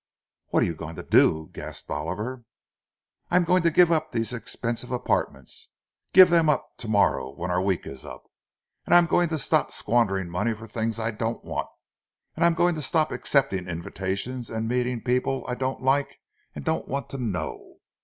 "What are you going to do?" gasped Oliver. "I'm going to give up these expensive apartments—give them up to morrow, when our week is up. And I'm going to stop squandering money for things I don't want. I'm going to stop accepting invitations, and meeting people I don't like and don't want to know.